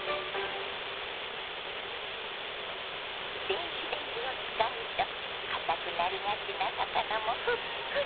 電子レンジを使うとかたくなりがちな魚もふっくら。